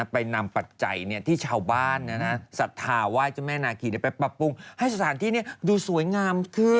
ไปนำปัจจัยที่ชาวบ้านศรัทธาไหว้เจ้าแม่นาคีไปปรับปรุงให้สถานที่ดูสวยงามขึ้น